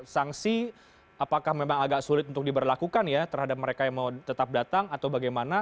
sanksi apakah memang agak sulit untuk diberlakukan ya terhadap mereka yang mau tetap datang atau bagaimana